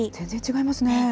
全然違いますね。